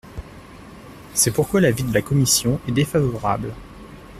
C’est pourquoi l’avis de la commission est défavorable.